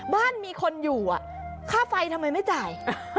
บ้านมีคนอยู่ค่าไฟทำไมไม่จ่าย